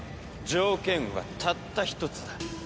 条件はたった一つだ。